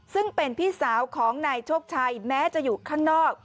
ซึ่งเป็นพี่สาวของนายโชคชัยแม้จะอยู่ข้างนอก